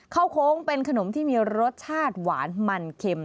โค้งเป็นขนมที่มีรสชาติหวานมันเข็ม